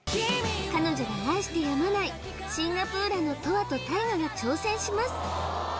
彼女が愛してやまないシンガプーラのとわとたいがが挑戦します